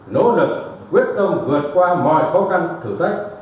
nỗ lực quyết tâm vượt qua mọi khó khăn thử thách